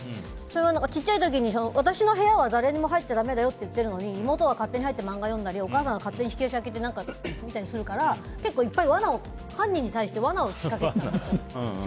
ちっちゃい時に私の部屋は誰も入っちゃだめだよって言ってたのに妹が勝手に入ってマンガ読んだりお母さんが勝手に引き出し開けて見たりするから結構いっぱい犯人に対してわなを仕掛けていた。